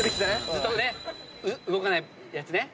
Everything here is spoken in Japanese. ずっとね動かないやつね。